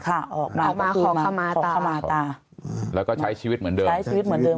พระออกมาของขมาตาแล้วก็ใช้ชีวิตเหมือนเดิม